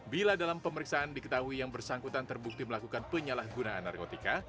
bila dalam pemeriksaan diketahui yang bersangkutan terbukti melakukan penyalahgunaan narkotika